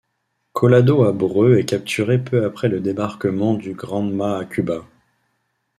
Collado Abreu est capturé peu après le débarquement du Granma à Cuba.